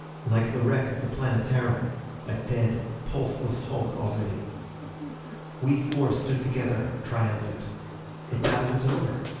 Like the wreck of the Planetara a dead, pulseless hulk already. We four stood together, triumphant. The battle was over.